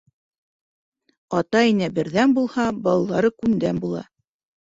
Ата-инә берҙәм булһа, балалары күндәм була.